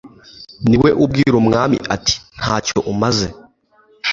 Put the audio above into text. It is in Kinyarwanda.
ni we ubwira umwami, ati nta cyo umaze'